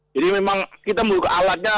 jadi memang kita butuh alatnya